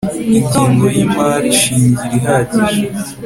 ingingo ya imari shingiro ihagije